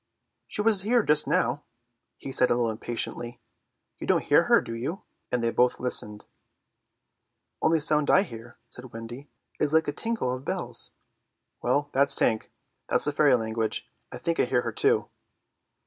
"She was here just now," he said a little impatiently. "You don't hear her, do you?" and they both listened. "The only sound I hear," said Wendy, "is like a tinkle of bells." "Well, that's Tink, that's the fairy language. I think I hear her too."